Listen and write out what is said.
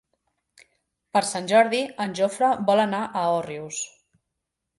Per Sant Jordi en Jofre vol anar a Òrrius.